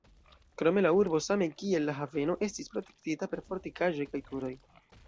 Krome la urbo, same kiel la haveno estis protektita per fortikaĵoj kaj turoj.